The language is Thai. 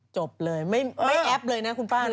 จบเลยไม่แอปเลยนะคุณป้านะ